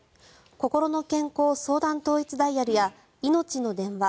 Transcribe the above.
こころの健康相談統一ダイヤルやいのちの電話